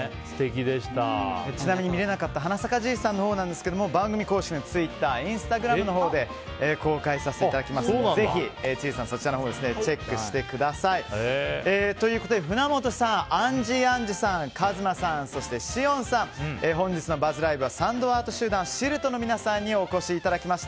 ちなみに見れなかった「はなさかじいさん」のほうですが番組公式のツイッターインスタグラムのほうで公開させていただきますのでぜひ、千里さんそちらでチェックしてください。ということで船本さんあんじぃあんじゅさんカズマさん、そしてシオンさん本日のＢＵＺＺＬＩＶＥ！はサンドアート集団ＳＩＬＴの皆さんにお越しいただきました。